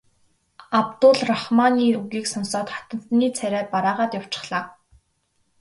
Абдул Рахманы үгийг сонсоод хатантны царай барайгаад явчихлаа.